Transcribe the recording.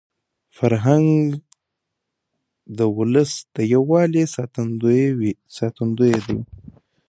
فرهنګ د ولس د یووالي ساتندوی دی.